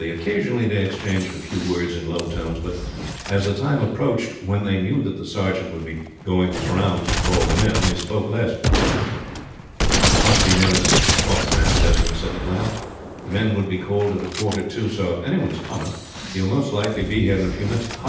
Occasionally they exchanged a few words in low tones, but as the time approached when they knew that the sergeant would be going his rounds to call the men they spoke less. "It must be nearly six o'clock now," Desmond said at last. "The men would be called at a quarter to, so if any one is coming he will most likely be here in a few minutes.